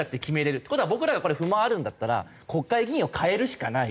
って事は僕らがこれ不満あるんだったら国会議員を替えるしかない。